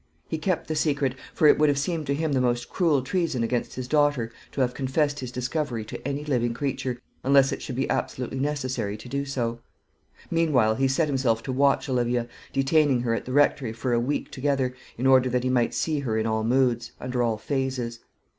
He kept the secret; for it would have seemed to him the most cruel treason against his daughter to have confessed his discovery to any living creature, unless it should be absolutely necessary to do so. Meanwhile he set himself to watch Olivia, detaining her at the Rectory for a week together, in order that he might see her in all moods, under all phases.